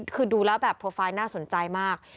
คือดูแล้วแบบโปรไฟล์น่าสนใจมาก